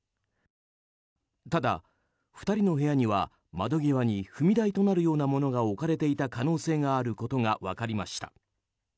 ただ、２人の部屋には窓際に踏み台となるようなものが置かれていた可能性があることが分かりました。